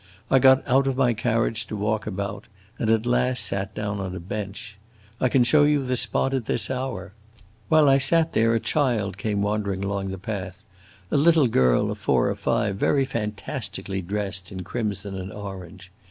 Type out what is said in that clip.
I got out of my carriage to walk about, and at last sat down on a bench. I can show you the spot at this hour. While I sat there a child came wandering along the path a little girl of four or five, very fantastically dressed in crimson and orange.